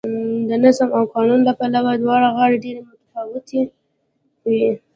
د نظم او قانون له پلوه دواړه غاړې ډېرې متفاوتې وې